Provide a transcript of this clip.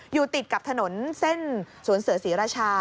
อยู่ติดกับถนนเส้นสวนเสือศรีราชา